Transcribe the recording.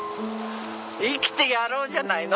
生きてやろうじゃないの！